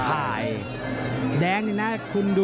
กระหน่าที่น้ำเงินก็มีเสียเอ็นจากอุบลนะครับ